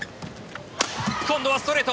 今度はストレート。